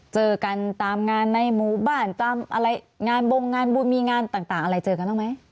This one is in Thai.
เจอกันตามงานในหมู่บ้านตามอะไรงานบงงานบุญมีงานต่างอะไรเจอกันบ้างไหม